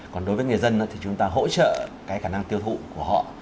còn đối với người dân thì chúng ta hỗ trợ cái khả năng tiêu thụ của họ